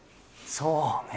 そうね。